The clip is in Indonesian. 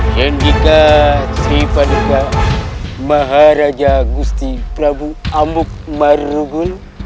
jendika sri paduka maharaja gusti prabu amuk marugul